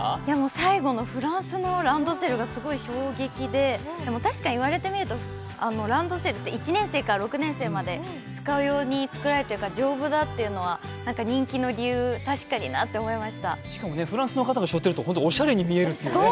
最後のフランスのランドセルがすごい衝撃で、確かに言われてみると、ランドセルって１年生から６年生まで使う用に作られてるから丈夫だっていうのは、なんか人気の理由、確かになと思いましたしかもフランスの方が背負っているとおしゃれに見えるというね。